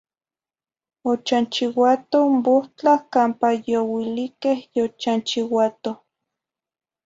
Ochanchiuatoh n bohtlah campa youiliqueh yochanchiuatoh.